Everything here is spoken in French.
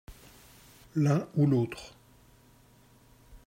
l'un ou l'autre.